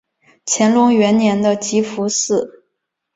乾隆元年的集福祠。